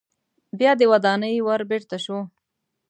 بیا د ودانۍ ور بیرته شو.